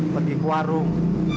pergi ke warung